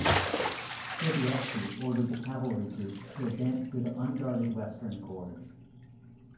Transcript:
Sobieski ordered the cavalry group to advance through the unguarded western gorge.